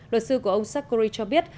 luật sư của ông sarkozy cho biết